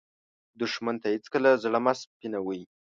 دښمن ته هېڅکله زړه مه سپينوې